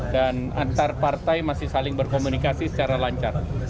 dan antar partai masih saling berkomunikasi secara lancar